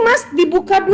mas dibuka dulu